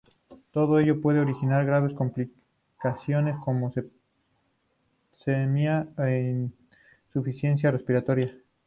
Todo ello puede originar graves complicaciones como septicemia e insuficiencia respiratoria.